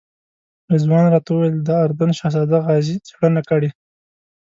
رضوان راته وویل د اردن شهزاده غازي څېړنه کړې.